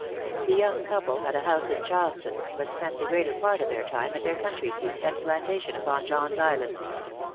The young couple had a house in Charleston, but spent the greater part of their time at their country seat and plantation upon John's Island.